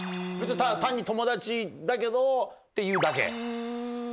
単に友達だけどっていうだけ？